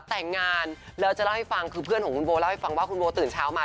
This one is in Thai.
แต่งงานแล้วจะเล่าให้ฟังคือเพื่อนของคุณโบเล่าให้ฟังว่าคุณโบตื่นเช้ามา